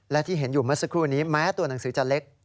และที่เห็นอยู่เมื่อสักครู่นี้แม้ตัวหนังสือจะเล็ก